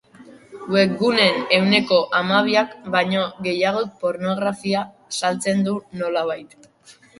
Webguneen ehuneko hamabiak baino gehiagok pornografia saltzen du nolabait.